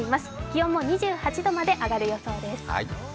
気温も２８度まで上がる予想です。